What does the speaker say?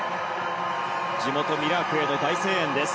地元、ミラークへの大声援です。